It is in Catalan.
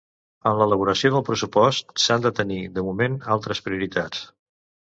En l’elaboració del pressupost s’han de tenir, de moment, altres prioritats.